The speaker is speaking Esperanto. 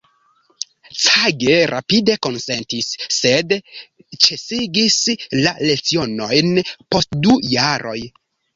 Cage rapide konsentis, sed ĉesigis la lecionojn post du jaroj.